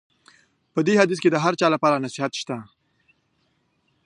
په دې حدیث کې د هر چا لپاره نصیحت شته.